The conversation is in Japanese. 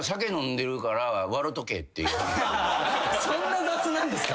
そんな雑なんですか？